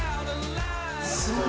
すごい。